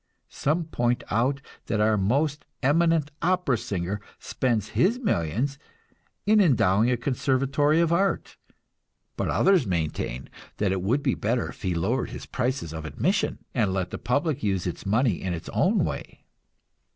Some point out that our most eminent opera singer spends his millions in endowing a conservatory of art; but others maintain that it would be better if he lowered his prices of admission, and let the public use its money in its own way.